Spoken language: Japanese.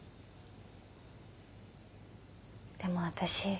でも私。